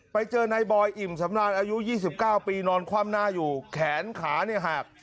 ไปเจอนายบอยอิ่มสำราญอายุ๒๙ปีนอนคว่ำหน้าอยู่แขนขาเนี่ยหัก